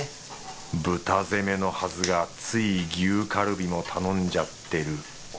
豚攻めのはずがつい牛カルビも頼んじゃってる俺